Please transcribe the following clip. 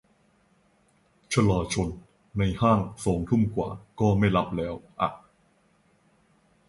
ชลาชลในห้างสองทุ่มกว่าก็ไม่รับแล้วอะ